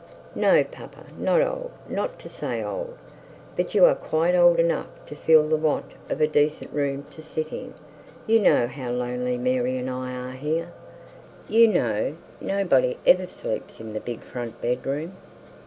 'No, papa, not old not to say old. But you are quite old enough to feel the want of a decent room to sit in. You know how lonely Mary and I are here. You know nobody ever sleeps in the big front bed room.